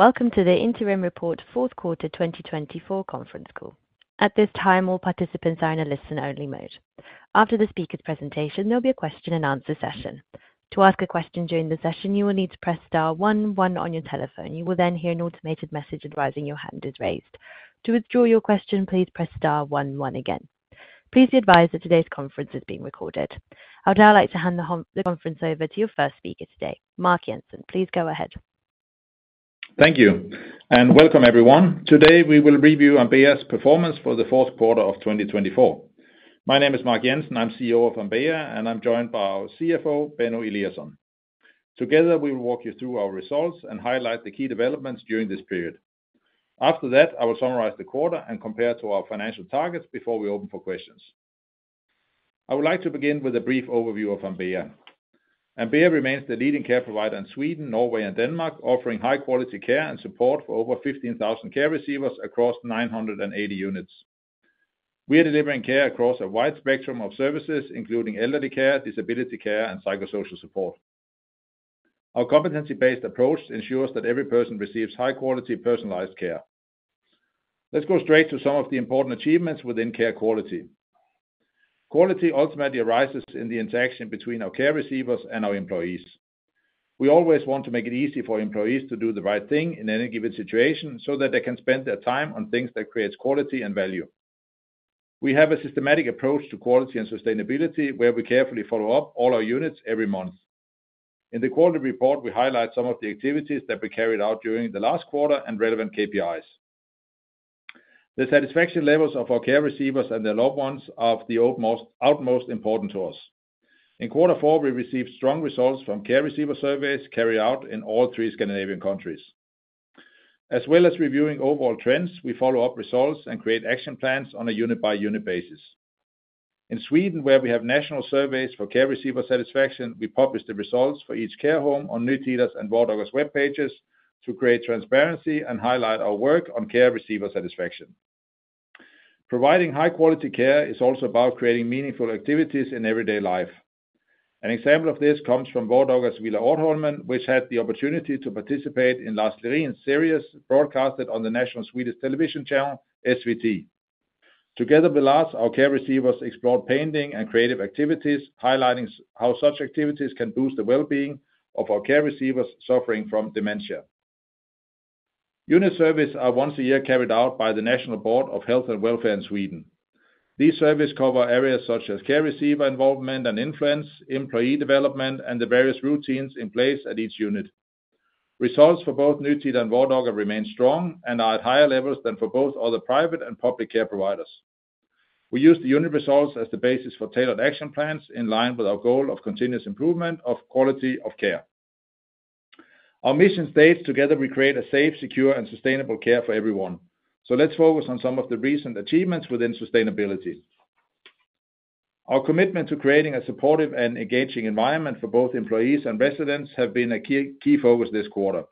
Welcome to the Interim Report, Fourth Quarter 2024, Conference Call. At this time, all participants are in a listen-only mode. After the speaker's presentation, there'll be a question-and-answer session. To ask a question during the session, you will need to press star one one on your telephone. You will then hear an automated message advising your hand is raised. To withdraw your question, please press star one one again. Please be advised that today's conference is being recorded. I would now like to hand the conference over to your first speaker today, Mark Jensen. Please go ahead. Thank you, and welcome, everyone. Today, we will review Ambea's performance for the fourth quarter of 2024. My name is Mark Jensen. I'm CEO of Ambea, and I'm joined by our CFO, Benno Eliasson. Together, we will walk you through our results and highlight the key developments during this period. After that, I will summarize the quarter and compare it to our financial targets before we open for questions. I would like to begin with a brief overview of Ambea. Ambea remains the leading care provider in Sweden, Norway, and Denmark, offering high-quality care and support for over 15,000 care receivers across 980 units. We are delivering care across a wide spectrum of services, including elderly care, disability care, and psychosocial support. Our competency-based approach ensures that every person receives high-quality, personalized care. Let's go straight to some of the important achievements within care quality. Quality ultimately arises in the interaction between our care receivers and our employees. We always want to make it easy for employees to do the right thing in any given situation so that they can spend their time on things that create quality and value. We have a systematic approach to quality and sustainability, where we carefully follow up all our units every month. In the quality report, we highlight some of the activities that we carried out during the last quarter and relevant KPIs. The satisfaction levels of our care receivers and their loved ones are of the utmost importance to us. In quarter four, we received strong results from care receiver surveys carried out in all three Scandinavian countries. As well as reviewing overall trends, we follow up results and create action plans on a unit-by-unit basis. In Sweden, where we have national surveys for care receiver satisfaction, we publish the results for each care home on newsletters and Vardaga's web pages to create transparency and highlight our work on care receiver satisfaction. Providing high-quality care is also about creating meaningful activities in everyday life. An example of this comes from Vardaga's Villa Orrholmen, which had the opportunity to participate in Lars Lerin's series, broadcast on the National Swedish Television Channel, SVT. Together with us, our care receivers explored painting and creative activities, highlighting how such activities can boost the well-being of our care receivers suffering from dementia. Unit surveys are once a year carried out by the National Board of Health and Welfare in Sweden. These surveys cover areas such as care receiver involvement and influence, employee development, and the various routines in place at each unit. Results for both Nytida and Vardaga remain strong and are at higher levels than for both other private and public care providers. We use the unit results as the basis for tailored action plans in line with our goal of continuous improvement of quality of care. Our mission states, "Together, we create safe, secure, and sustainable care for everyone." So let's focus on some of the recent achievements within sustainability. Our commitment to creating a supportive and engaging environment for both employees and residents has been a key focus this quarter.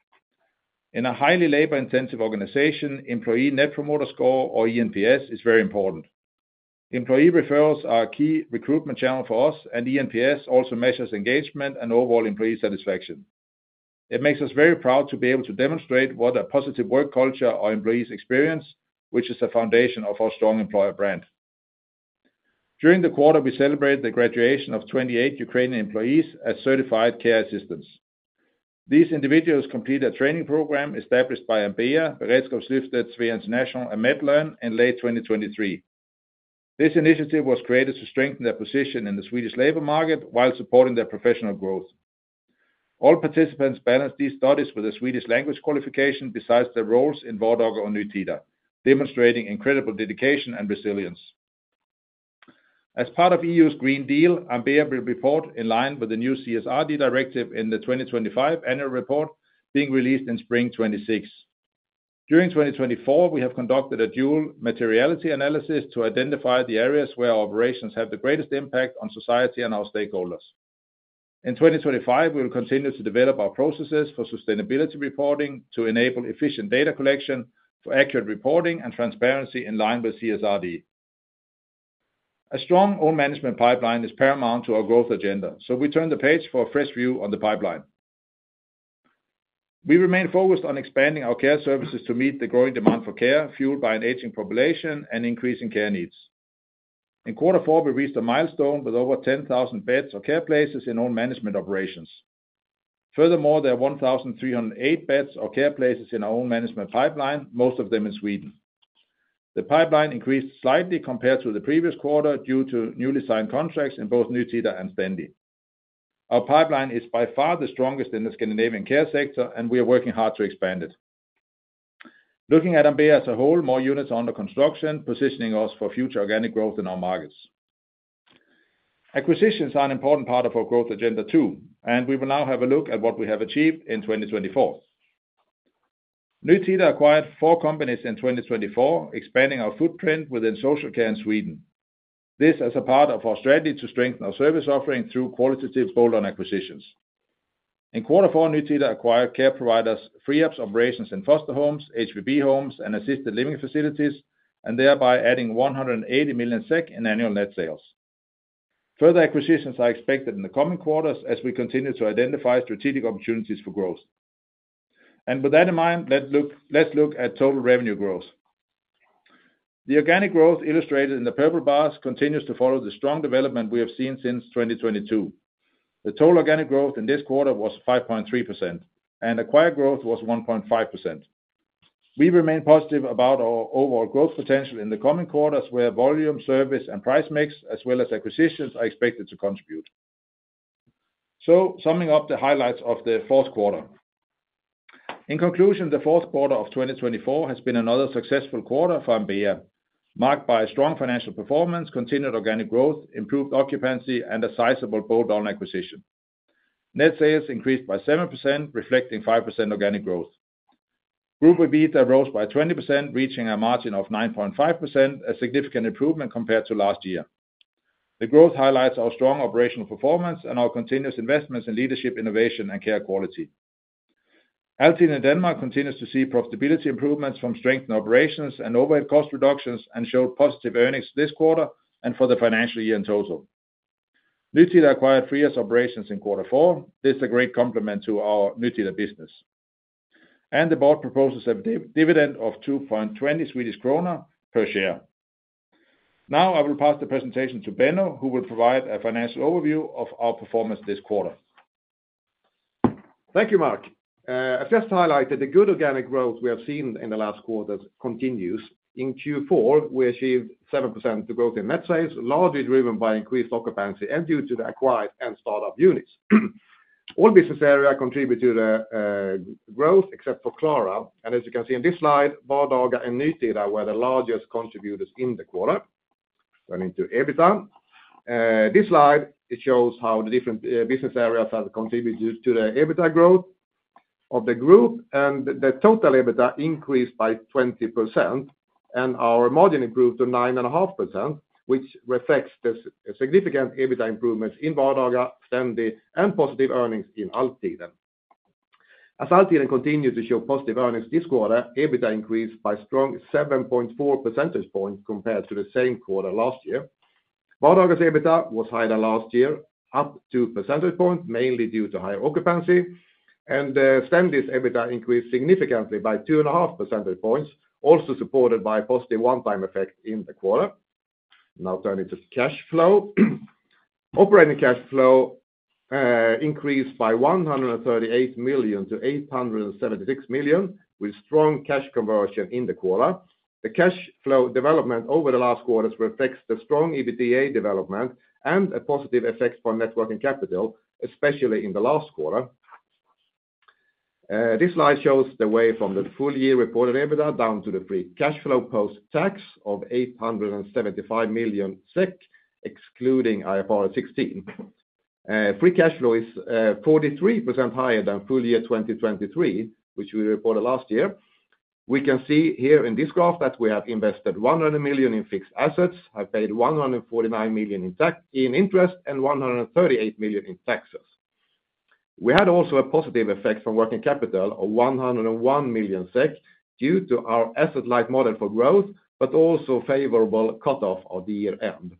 In a highly labor-intensive organization, Employee Net Promoter Score, or eNPS, is very important. Employee referrals are a key recruitment channel for us, and eNPS also measures engagement and overall employee satisfaction. It makes us very proud to be able to demonstrate what a positive work culture our employees experience, which is the foundation of our strong employer brand. During the quarter, we celebrated the graduation of 28 Ukrainian employees as certified care assistants. These individuals completed a training program established by Ambea, Beredskapslyftet, SWEA International, and Medlearn in late 2023. This initiative was created to strengthen their position in the Swedish labor market while supporting their professional growth. All participants balanced these studies with a Swedish language qualification besides their roles in Vardaga or Nytida, demonstrating incredible dedication and resilience. As part of the EU's Green Deal, Ambea will report in line with the new CSRD directive in the 2025 annual report being released in spring 2026. During 2024, we have conducted a dual materiality analysis to identify the areas where our operations have the greatest impact on society and our stakeholders. In 2025, we will continue to develop our processes for sustainability reporting to enable efficient data collection for accurate reporting and transparency in line with CSRD. A strong own management pipeline is paramount to our growth agenda, so we turn the page for a fresh view on the pipeline. We remain focused on expanding our care services to meet the growing demand for care, fueled by an aging population and increasing care needs. In quarter four, we reached a milestone with over 10,000 beds or care places in own management operations. Furthermore, there are 1,308 beds or care places in our own management pipeline, most of them in Sweden. The pipeline increased slightly compared to the previous quarter due to newly signed contracts in both Nytida and Stendi. Our pipeline is by far the strongest in the Scandinavian care sector, and we are working hard to expand it. Looking at Ambea as a whole, more units are under construction, positioning us for future organic growth in our markets. Acquisitions are an important part of our growth agenda too, and we will now have a look at what we have achieved in 2024. Nytida acquired four companies in 2024, expanding our footprint within social care in Sweden. This is a part of our strategy to strengthen our service offering through qualitative bolt-on acquisitions. In quarter four, Nytida acquired care provider Friab's operations in foster homes, HVB homes, and assisted living facilities, thereby adding 180 million SEK in annual net sales. Further acquisitions are expected in the coming quarters as we continue to identify strategic opportunities for growth, and with that in mind, let's look at total revenue growth. The organic growth illustrated in the purple bars continues to follow the strong development we have seen since 2022. The total organic growth in this quarter was 5.3%, and acquired growth was 1.5%. We remain positive about our overall growth potential in the coming quarters, where volume, service, and price mix, as well as acquisitions, are expected to contribute. So, summing up the highlights of the fourth quarter. In conclusion, the fourth quarter of 2024 has been another successful quarter for Ambea, marked by strong financial performance, continued organic growth, improved occupancy, and a sizable bolt-on acquisition. Net sales increased by 7%, reflecting 5% organic growth. Group EBITDA rose by 20%, reaching a margin of 9.5%, a significant improvement compared to last year. The growth highlights our strong operational performance and our continuous investments in leadership, innovation, and care quality. Altiden in Denmark continues to see profitability improvements from strengthened operations and overhead cost reductions and showed positive earnings this quarter and for the financial year in total. Nytida acquired Friab's operations in quarter four. This is a great complement to our Nytida business, and the board proposes a dividend of 2.20 Swedish kronor per share. Now, I will pass the presentation to Benno, who will provide a financial overview of our performance this quarter. Thank you, Mark. I just highlighted the good organic growth we have seen in the last quarter continues. In Q4, we achieved 7% growth in net sales, largely driven by increased occupancy and due to the acquired and startup units. All business areas contributed to the growth, except for Klara, and as you can see in this slide, Vardaga and Nytida were the largest contributors in the quarter, turning to EBITDA. This slide shows how the different business areas have contributed to the EBITDA growth of the group, and the total EBITDA increased by 20%, and our margin improved to 9.5%, which reflects the significant EBITDA improvements in Vardaga, Stendi, and positive earnings in Altiden. As Altiden continues to show positive earnings this quarter, EBITDA increased by a strong 7.4 percentage points compared to the same quarter last year. Vardaga's EBITDA was higher than last year, up 2 percentage points, mainly due to higher occupancy, and Stendi's EBITDA increased significantly by 2.5 percentage points, also supported by a positive one-time effect in the quarter. Now, turning to cash flow. Operating cash flow increased by 138 million to 876 million, with strong cash conversion in the quarter. The cash flow development over the last quarters reflects the strong EBITDA development and a positive effect on net working capital, especially in the last quarter. This slide shows the way from the full-year reported EBITDA down to the free cash flow post-tax of 875 million SEK, excluding IFRS 16. Free cash flow is 43% higher than full-year 2023, which we reported last year. We can see here in this graph that we have invested 100 million in fixed assets, have paid 149 million in interest, and 138 million in taxes. We had also a positive effect from working capital, 101 million SEK, due to our asset-light model for growth, but also favorable cutoff of the year-end.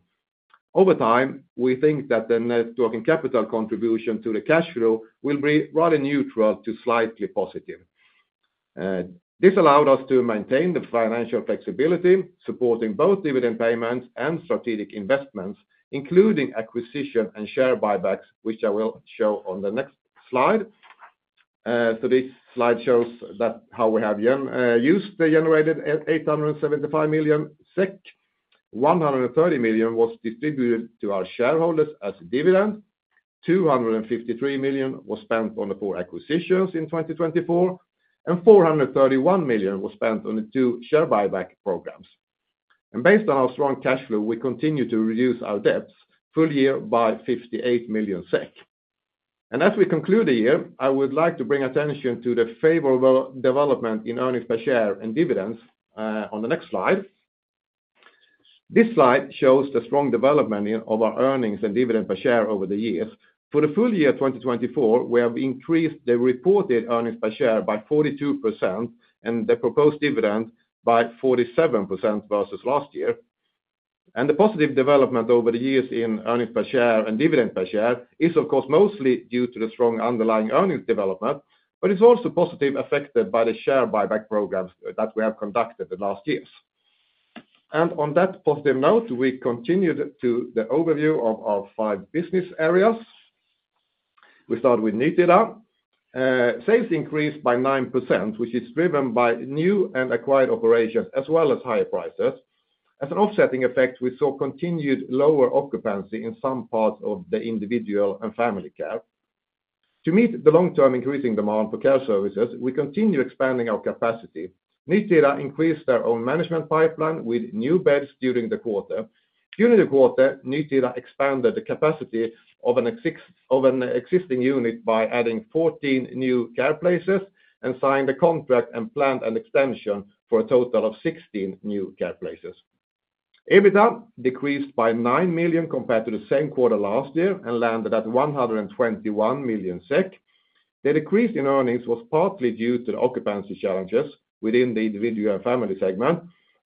Over time, we think that the net working capital contribution to the cash flow will be rather neutral to slightly positive. This allowed us to maintain the financial flexibility, supporting both dividend payments and strategic investments, including acquisition and share buybacks, which I will show on the next slide, so this slide shows how we have used the generated 875 million SEK. 130 million was distributed to our shareholders as dividend. 253 million was spent on the four acquisitions in 2024, and 431 million was spent on the two share buyback programs, and based on our strong cash flow, we continue to reduce our debts full year by 58 million SEK. As we conclude the year, I would like to bring attention to the favorable development in earnings per share and dividends on the next slide. This slide shows the strong development of our earnings and dividend per share over the years. For the full year 2024, we have increased the reported earnings per share by 42% and the proposed dividend by 47% versus last year. The positive development over the years in earnings per share and dividend per share is, of course, mostly due to the strong underlying earnings development, but it's also positively affected by the share buyback programs that we have conducted in the last years. On that positive note, we continue to the overview of our five business areas. We start with Nytida. Sales increased by 9%, which is driven by new and acquired operations, as well as higher prices. As an offsetting effect, we saw continued lower occupancy in some parts of the individual and family care. To meet the long-term increasing demand for care services, we continue expanding our capacity. Nytida increased their own management pipeline with new beds during the quarter. During the quarter, Nytida expanded the capacity of an existing unit by adding 14 new care places and signed a contract and planned an extension for a total of 16 new care places. EBITDA decreased by 9 million compared to the same quarter last year and landed at 121 million SEK. The decrease in earnings was partly due to the occupancy challenges within the individual and family segment,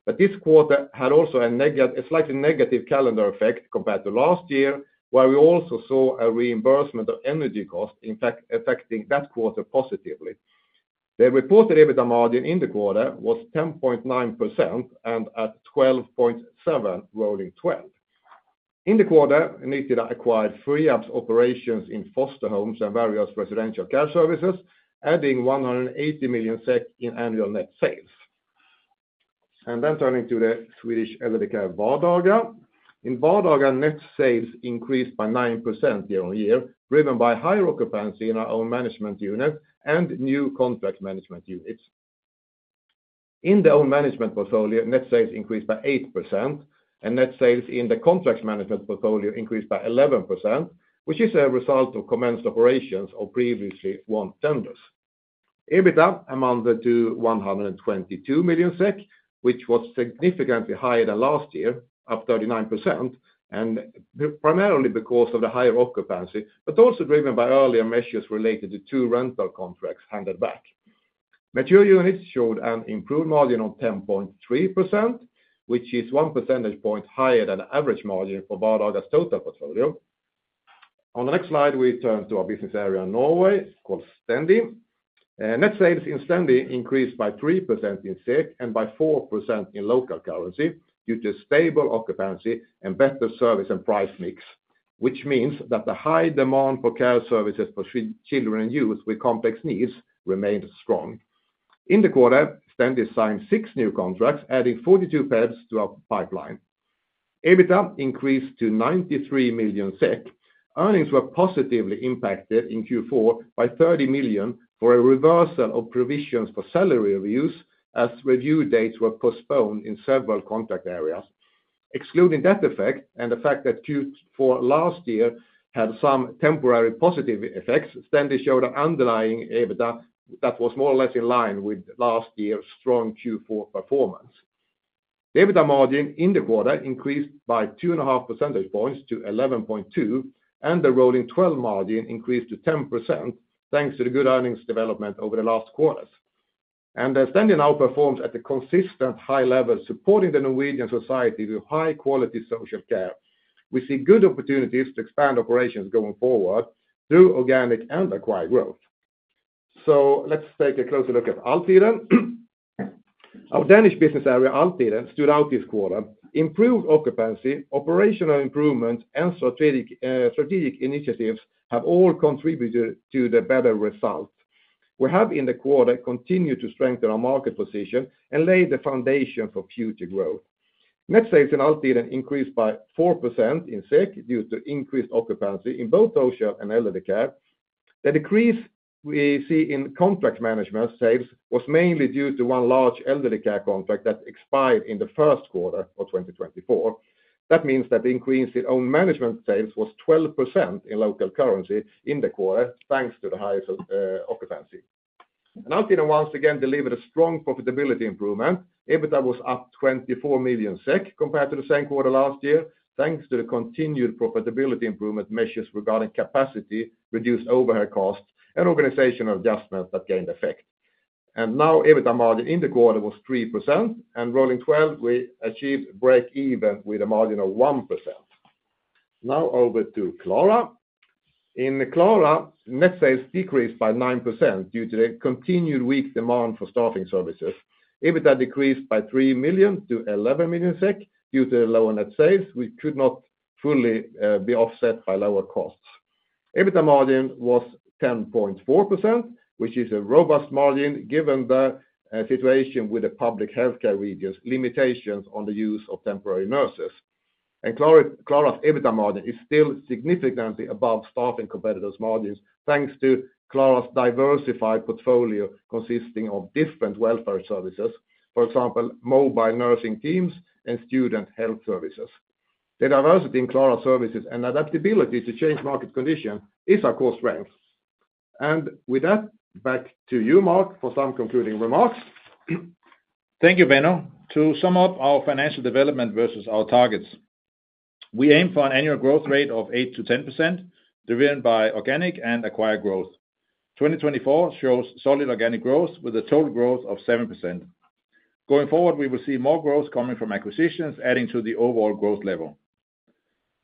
but this quarter had also a slightly negative calendar effect compared to last year, where we also saw a reimbursement of energy costs affecting that quarter positively. The reported EBITDA margin in the quarter was 10.9% and at 12.7%, rolling 12. In the quarter, Nytida acquired Friab's operations in foster homes and various residential care services, adding 180 million SEK in annual net sales. Then turning to the Swedish elderly care Vardaga. In Vardaga, net sales increased by 9% year-on-year, driven by higher occupancy in our own management unit and new contract management units. In the own management portfolio, net sales increased by 8%, and net sales in the contract management portfolio increased by 11%, which is a result of commenced operations of previously won tenders. EBITDA amounted to 122 million SEK, which was significantly higher than last year, up 39%, and primarily because of the higher occupancy, but also driven by earlier measures related to two rental contracts handed back. Mature units showed an improved margin of 10.3%, which is 1 percentage point higher than the average margin for Vardaga's total portfolio. On the next slide, we turn to our business area in Norway called Stendi. Net sales in Stendi increased by 3% in SEK and by 4% in local currency due to stable occupancy and better service and price mix, which means that the high demand for care services for children and youth with complex needs remained strong. In the quarter, Stendi signed six new contracts, adding 42 beds to our pipeline. EBITDA increased to 93 million SEK. Earnings were positively impacted in Q4 by 30 million SEK for a reversal of provisions for salary reviews as review dates were postponed in several contract areas. Excluding that effect and the fact that Q4 last year had some temporary positive effects, Stendi showed an underlying EBITDA that was more or less in line with last year's strong Q4 performance. The EBITDA margin in the quarter increased by 2.5 percentage points to 11.2%, and the rolling 12 margin increased to 10% thanks to the good earnings development over the last quarters, and Stendi now performs at a consistent high level, supporting the Norwegian society through high-quality social care. We see good opportunities to expand operations going forward through organic and acquired growth, so let's take a closer look at Altiden. Our Danish business area, Altiden, stood out this quarter. Improved occupancy, operational improvements, and strategic initiatives have all contributed to the better result. We have in the quarter continued to strengthen our market position and laid the foundation for future growth. Net sales in Altiden increased by 4% in SEK due to increased occupancy in both social and elderly care. The decrease we see in contract management sales was mainly due to one large elderly care contract that expired in the first quarter of 2024. That means that the increase in own management sales was 12% in local currency in the quarter, thanks to the higher occupancy, and Altiden once again delivered a strong profitability improvement. EBITDA was up 24 million SEK compared to the same quarter last year, thanks to the continued profitability improvement measures regarding capacity, reduced overhead costs, and organizational adjustments that gained effect, and now EBITDA margin in the quarter was 3%, and rolling 12, we achieved break-even with a margin of 1%. Now over to Klara. In Klara, net sales decreased by 9% due to the continued weak demand for staffing services. EBITDA decreased by 3 million to 11 million SEK due to the lower net sales, which could not fully be offset by lower costs. EBITDA margin was 10.4%, which is a robust margin given the situation with the public healthcare region's limitations on the use of temporary nurses. And Klara's EBITDA margin is still significantly above staffing competitors' margins, thanks to Klara's diversified portfolio consisting of different welfare services, for example, mobile nursing teams and student health services. The diversity in Klara's services and adaptability to change market conditions is our core strength. And with that, back to you, Mark, for some concluding remarks. Thank you, Benno. To sum up our financial development versus our targets, we aim for an annual growth rate of 8%-10%, driven by organic and acquired growth, 2024 shows solid organic growth with a total growth of 7%. Going forward, we will see more growth coming from acquisitions, adding to the overall growth level.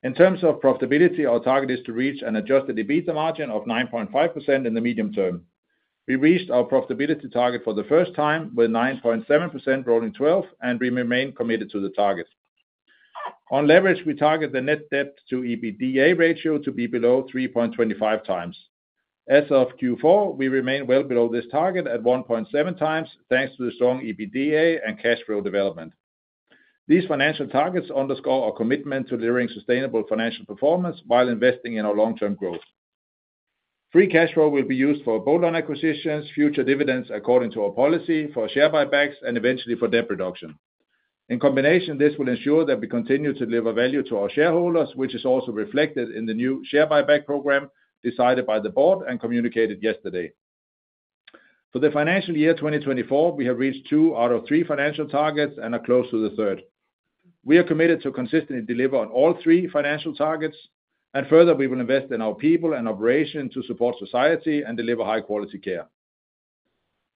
In terms of profitability, our target is to reach an adjusted EBITDA margin of 9.5% in the medium term. We reached our profitability target for the first time with 9.7%, rolling 12, and we remain committed to the target. On leverage, we target the net debt to EBITDA ratio to be below 3.25x. As of Q4, we remain well below this target at 1.7x, thanks to the strong EBITDA and cash flow development. These financial targets underscore our commitment to delivering sustainable financial performance while investing in our long-term growth. Free cash flow will be used for bolt-on acquisitions, future dividends according to our policy, for share buybacks, and eventually for debt reduction. In combination, this will ensure that we continue to deliver value to our shareholders, which is also reflected in the new share buyback program decided by the board and communicated yesterday. For the financial year 2024, we have reached two out of three financial targets and are close to the third. We are committed to consistently deliver on all three financial targets, and further, we will invest in our people and operations to support society and deliver high-quality care,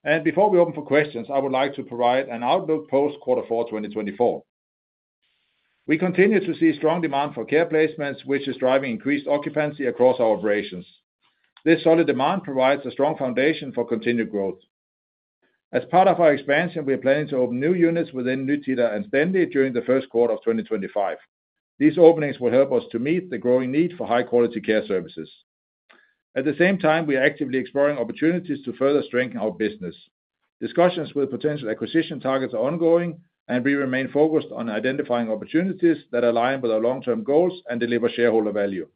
and before we open for questions, I would like to provide an outlook post-quarter 4, 2024. We continue to see strong demand for care placements, which is driving increased occupancy across our operations. This solid demand provides a strong foundation for continued growth. As part of our expansion, we are planning to open new units within Nytida and Stendi during the first quarter of 2025. These openings will help us to meet the growing need for high-quality care services. At the same time, we are actively exploring opportunities to further strengthen our business. Discussions with potential acquisition targets are ongoing, and we remain focused on identifying opportunities that align with our long-term goals and deliver shareholder value.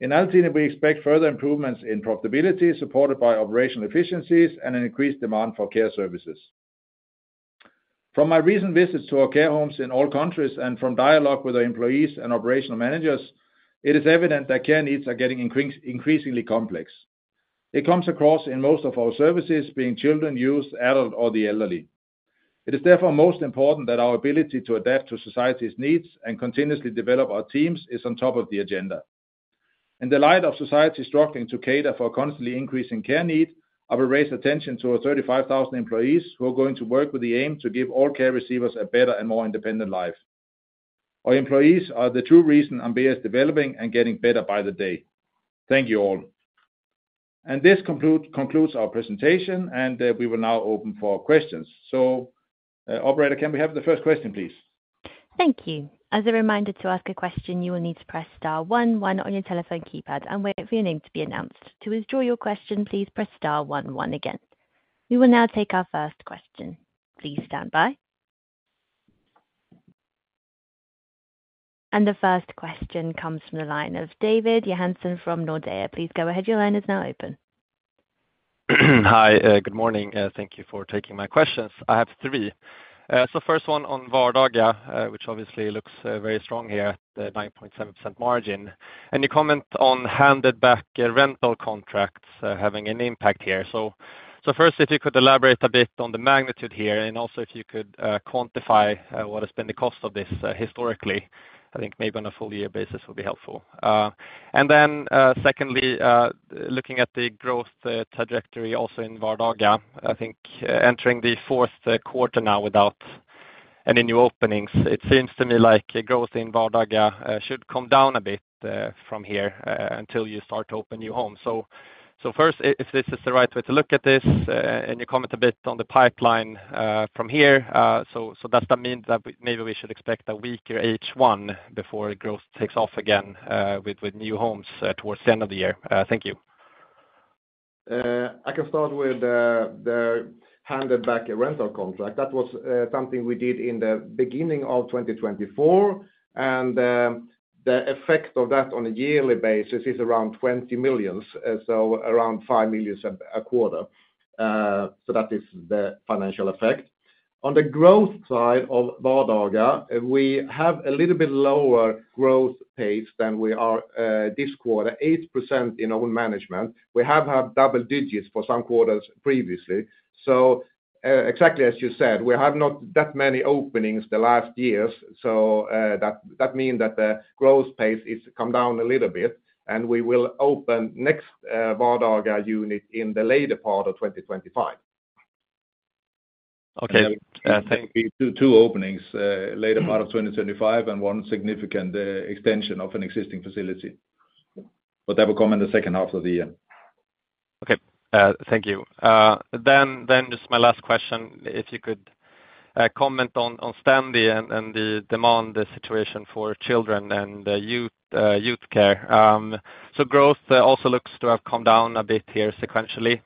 In Altiden, we expect further improvements in profitability supported by operational efficiencies and an increased demand for care services. From my recent visits to our care homes in all countries and from dialogue with our employees and operational managers, it is evident that care needs are getting increasingly complex. It comes across in most of our services being children, youth, adults, or the elderly. It is therefore most important that our ability to adapt to society's needs and continuously develop our teams is on top of the agenda. In the light of society struggling to cater for a constantly increasing care need, I will raise attention to our 35,000 employees who are going to work with the aim to give all care receivers a better and more independent life. Our employees are the true reason Ambea is developing and getting better by the day. Thank you all. And this concludes our presentation, and we will now open for questions. So, Operator, can we have the first question, please? Thank you. As a reminder to ask a question, you will need to press star one one on your telephone keypad, and wait for your name to be announced. To withdraw your question, please press star one one again. We will now take our first question. Please stand by. The first question comes from the line of David Johansson from Nordea. Please go ahead. Your line is now open. Hi, good morning. Thank you for taking my questions. I have three. So first one on Vardaga, which obviously looks very strong here, the 9.7% margin. Any comment on handed back rental contracts having an impact here? So first, if you could elaborate a bit on the magnitude here, and also if you could quantify what has been the cost of this historically, I think maybe on a full year basis would be helpful. And then secondly, looking at the growth trajectory also in Vardaga, I think entering the fourth quarter now without any new openings, it seems to me like growth in Vardaga should come down a bit from here until you start to open new homes. So first, if this is the right way to look at this, and you comment a bit on the pipeline from here, so does that mean that maybe we should expect a weaker H1 before growth takes off again with new homes towards the end of the year? Thank you. I can start with the handback of a rental contract. That was something we did in the beginning of 2024, and the effect of that on a yearly basis is around 20 million, so around 5 million a quarter. So that is the financial effect. On the growth side of Vardaga, we have a little bit lower growth pace than we are this quarter, 8% in own management. We have had double digits for some quarters previously. So exactly as you said, we have not that many openings the last years. So that means that the growth pace has come down a little bit, and we will open next Vardaga unit in the later part of 2025. Okay. Thank you. Two openings, later part of 2025, and one significant extension of an existing facility. But that will come in the second half of the year. Okay. Thank you. Then just my last question, if you could comment on Stendi and the demand situation for children and youth care. So growth also looks to have come down a bit here sequentially.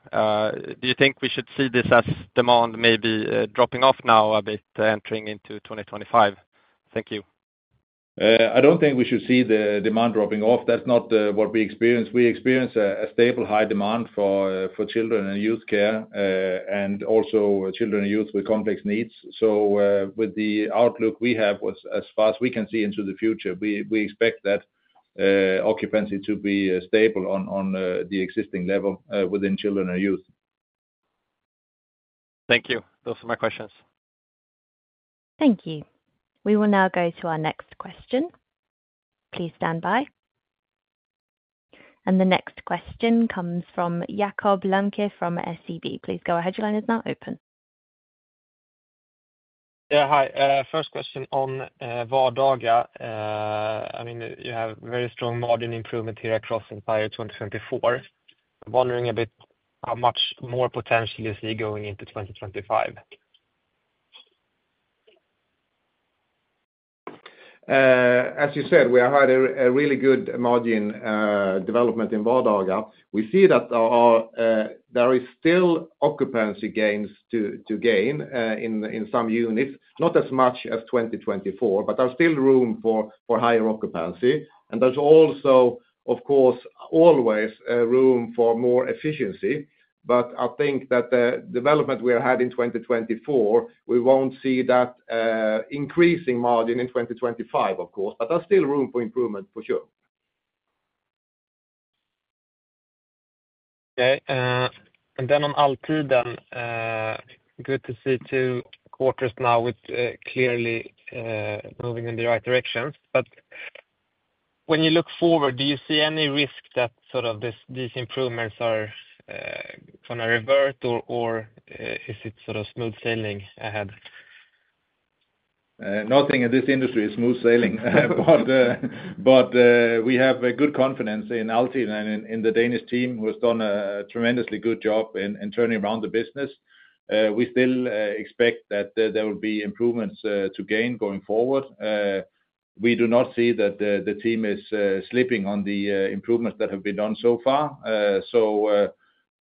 Do you think we should see this as demand maybe dropping off now a bit entering into 2025? Thank you. I don't think we should see the demand dropping off. That's not what we experience. We experience a stable high demand for children and youth care, and also children and youth with complex needs. So with the outlook we have, as far as we can see into the future, we expect that occupancy to be stable on the existing level within children and youth. Thank you. Those are my questions. Thank you. We will now go to our next question. Please stand by. And the next question comes from Jakob Lembke from SEB. Please go ahead. Your line is now open. Yeah, hi. First question on Vardaga. I mean, you have very strong margin improvement here across the entire 2024. Wondering a bit how much more potential you see going into 2025? As you said, we have had a really good margin development in Vardaga. We see that there are still occupancy gains to gain in some units, not as much as 2024, but there's still room for higher occupancy, and there's also, of course, always room for more efficiency, but I think that the development we have had in 2024, we won't see that increasing margin in 2025, of course, but there's still room for improvement for sure. Okay. And then on Altiden, good to see two quarters now with clearly moving in the right direction. But when you look forward, do you see any risk that sort of these improvements are going to revert, or is it sort of smooth sailing ahead? Nothing in this industry is smooth sailing, but we have good confidence in Altiden and in the Danish team who has done a tremendously good job in turning around the business. We still expect that there will be improvements to gain going forward. We do not see that the team is slipping on the improvements that have been done so far. So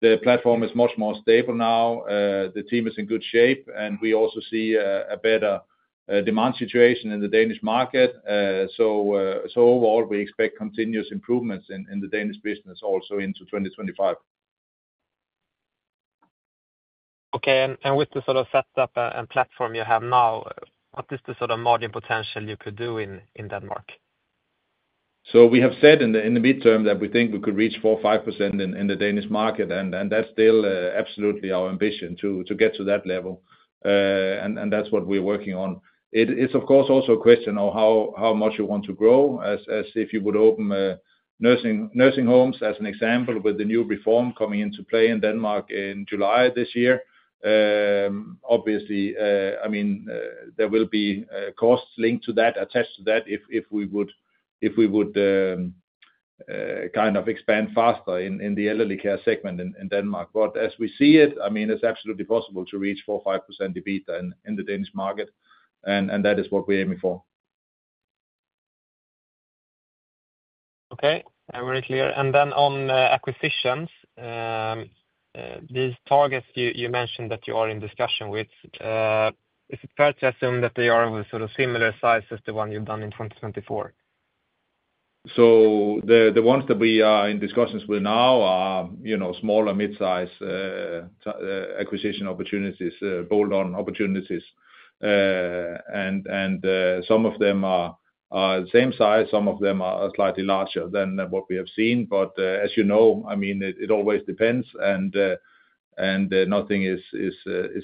the platform is much more stable now. The team is in good shape, and we also see a better demand situation in the Danish market. So overall, we expect continuous improvements in the Danish business also into 2025. Okay, and with the sort of setup and platform you have now, what is the sort of margin potential you could do in Denmark? We have said in the midterm that we think we could reach 4%-5% in the Danish market, and that's still absolutely our ambition to get to that level. And that's what we're working on. It's, of course, also a question of how much you want to grow, as if you would open nursing homes as an example with the new reform coming into play in Denmark in July this year. Obviously, I mean, there will be costs linked to that, attached to that, if we would kind of expand faster in the elderly care segment in Denmark. But as we see it, I mean, it's absolutely possible to reach 4%-5% EBITDA in the Danish market, and that is what we're aiming for. Okay. Very clear. And then on acquisitions, these targets you mentioned that you are in discussion with, is it fair to assume that they are of a sort of similar size as the one you've done in 2024? So the ones that we are in discussions with now are smaller, mid-size acquisition opportunities, bolt-on opportunities. And some of them are the same size. Some of them are slightly larger than what we have seen. But as you know, I mean, it always depends, and nothing is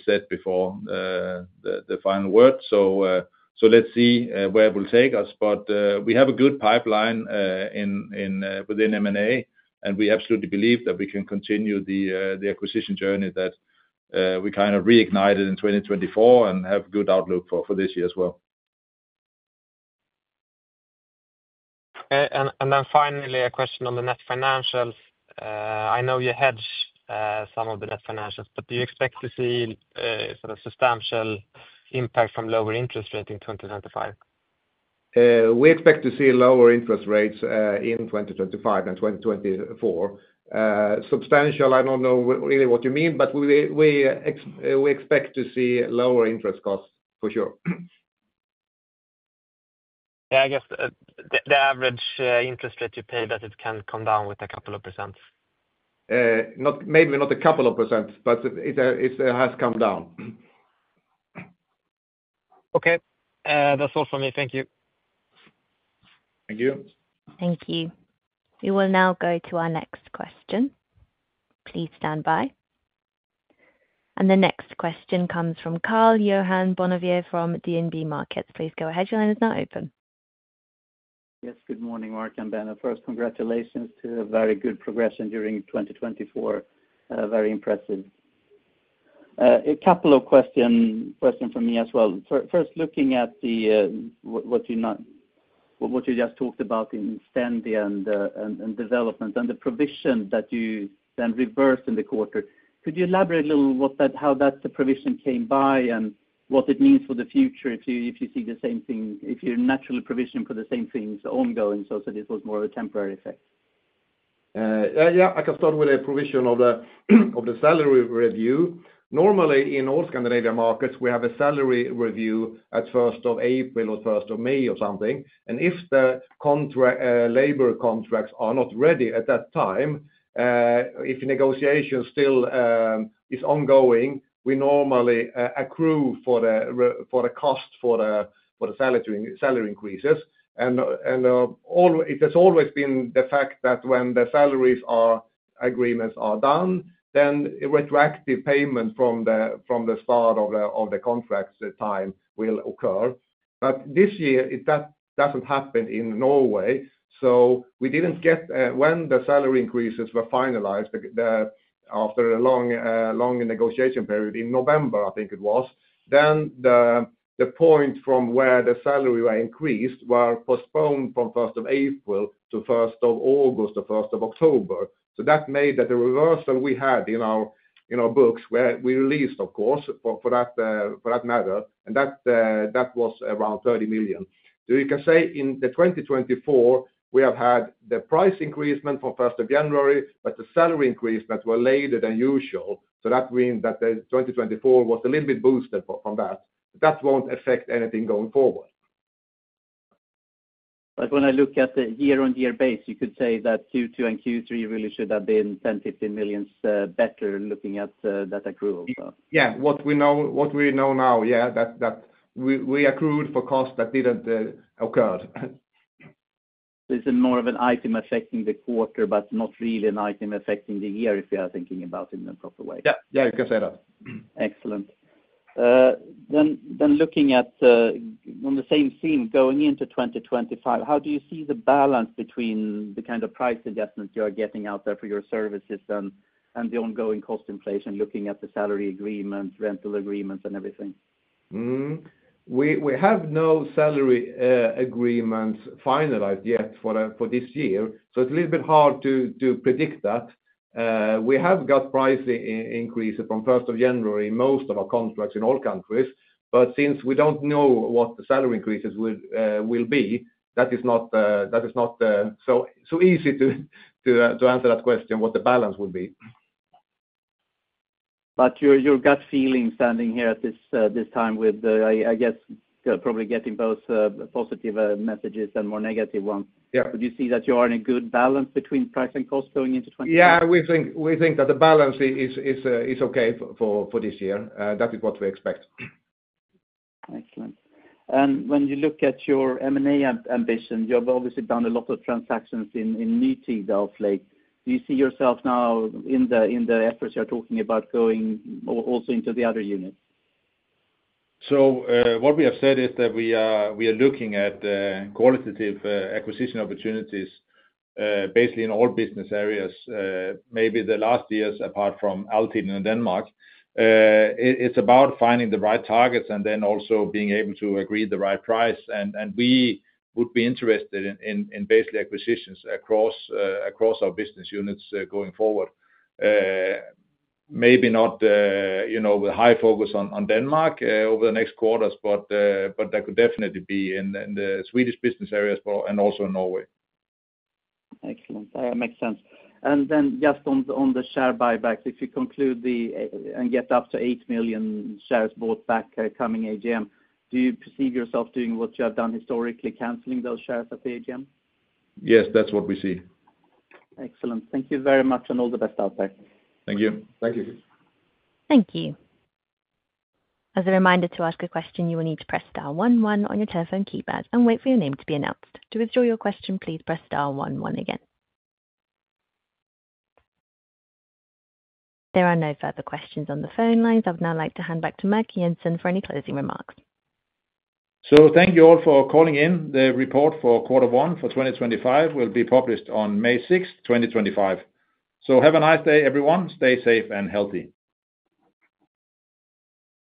said before the final word. So let's see where it will take us. But we have a good pipeline within M&A, and we absolutely believe that we can continue the acquisition journey that we kind of reignited in 2024 and have a good outlook for this year as well. Okay. And then finally, a question on the net financials. I know you hedge some of the net financials, but do you expect to see sort of substantial impact from lower interest rates in 2025? We expect to see lower interest rates in 2025 and 2024. Substantial, I don't know really what you mean, but we expect to see lower interest costs for sure. Yeah, I guess the average interest rate you pay that it can come down with a couple of percent. Maybe not a couple of percent, but it has come down. Okay. That's all from me. Thank you. Thank you. Thank you. We will now go to our next question. Please stand by. And the next question comes from Karl-Johan Bonnevier from DNB Markets. Please go ahead. Your line is now open. Yes, good morning, Mark and Benno. First, congratulations to a very good progression during 2024. Very impressive. A couple of questions from me as well. First, looking at what you just talked about in Stendi and development and the provision that you then reversed in the quarter, could you elaborate a little how that provision came by and what it means for the future if you see the same thing, if you're naturally provisioned for the same things ongoing, so this was more of a temporary effect? Yeah, I can start with a provision of the salary review. Normally, in all Scandinavian markets, we have a salary review at 1st of April or 1st of May or something, and if the labor contracts are not ready at that time, if negotiation still is ongoing, we normally accrue for the cost for the salary increases, and it has always been the fact that when the salaries agreements are done, then a retroactive payment from the start of the contract time will occur, but this year, that doesn't happen in Norway, so we didn't get when the salary increases were finalized after a long negotiation period in November, I think it was, then the point from where the salary were increased were postponed from 1st of April to 1st of August or 1st of October. That made that the reversal we had in our books where we released, of course, for that matter, and that was around 30 million. You can say in the 2024, we have had the price increase from 1st of January, but the salary increase were later than usual. That means that the 2024 was a little bit boosted from that. That won't affect anything going forward. But when I look at the year-on-year basis, you could say that Q2 and Q3 really should have been 10 million-15 million better looking at that accrual. Yeah, what we know now, yeah, that we accrued for costs that didn't occur. So it's more of an item affecting the quarter, but not really an item affecting the year if you are thinking about it in a proper way. Yeah, yeah, you can say that. Excellent. Then looking at on the same theme going into 2025, how do you see the balance between the kind of price adjustments you are getting out there for your services and the ongoing cost inflation looking at the salary agreements, rental agreements, and everything? We have no salary agreements finalized yet for this year, so it's a little bit hard to predict that. We have got price increases from 1st of January, most of our contracts in all countries. But since we don't know what the salary increases will be, that is not so easy to answer that question, what the balance will be. But your gut feeling, standing here at this time with, I guess, probably getting both positive messages and more negative ones, would you see that you are in a good balance between price and cost going into 2024? Yeah, we think that the balance is okay for this year. That is what we expect. Excellent. And when you look at your M&A ambition, you have obviously done a lot of transactions with Nytida. Do you see yourself now in the efforts you're talking about going also into the other units? What we have said is that we are looking at qualitative acquisition opportunities basically in all business areas. Maybe the last years, apart from Altiden and Denmark, it's about finding the right targets and then also being able to agree the right price. We would be interested in basically acquisitions across our business units going forward. Maybe not with a high focus on Denmark over the next quarters, but that could definitely be in the Swedish business areas and also in Norway. Excellent. That makes sense. And then just on the share buybacks, if you conclude and get up to eight million shares bought back coming AGM, do you perceive yourself doing what you have done historically, canceling those shares at the AGM? Yes, that's what we see. Excellent. Thank you very much and all the best out there. Thank you. Thank you. Thank you. As a reminder to ask a question, you will need to press star one one on your telephone keypad and wait for your name to be announced. To withdraw your question, please press star 11 again. There are no further questions on the phone lines. I would now like to hand back to Mark Jensen for any closing remarks. Thank you all for calling in. The report for quarter one for 2025 will be published on May 6th, 2025. Have a nice day, everyone. Stay safe and healthy.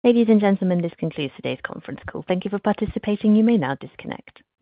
Ladies and gentlemen, this concludes today's conference call. Thank you for participating. You may now disconnect.